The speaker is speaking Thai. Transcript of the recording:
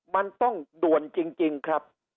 มันต้องด่วนจริงครับ